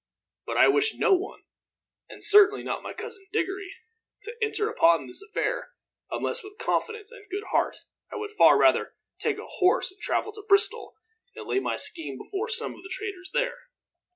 But I wish no one, and certainly not my Cousin Diggory, to enter upon this affair unless with confidence and good heart. I would far rather take a horse and travel to Bristol, and lay my scheme before some of the traders there."